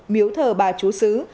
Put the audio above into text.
miếu thờ bà chúa sứ